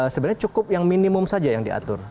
sebenarnya cukup yang minimum saja yang diatur